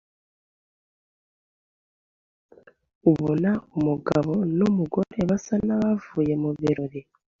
abona umugabo n’umugore basa n’abavuye mu birori.